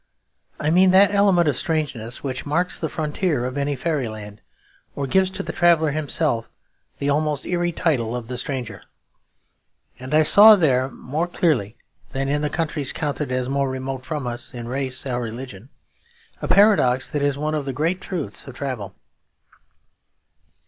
I mean that element of strangeness which marks the frontier of any fairyland, or gives to the traveller himself the almost eerie title of the stranger. And I saw there more clearly than in countries counted as more remote from us, in race or religion, a paradox that is one of the great truths of travel.